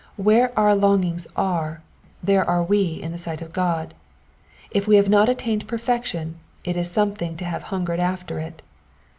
Where our longings are, there are we in the sight of God. If we have not attained perfection, it is something to have hungered after it.